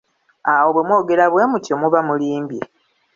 Awo bwe mwogera bwemutyo muba mulimbye.